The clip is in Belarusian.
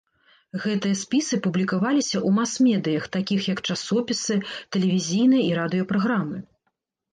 Гэтыя спісы публікаваліся ў мас-медыях, такіх як часопісы, тэлевізійныя і радыё-праграмы.